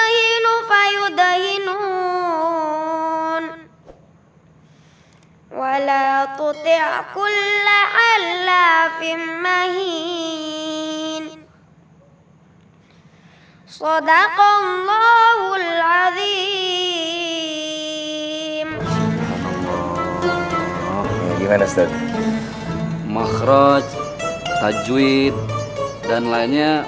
ya yang mana ya